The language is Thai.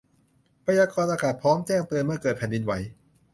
พยากรณ์อากาศพร้อมแจ้งเตือนเมื่อเกิดแผ่นดินไหว